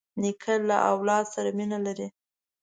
نیکه له اولاد سره مینه لري.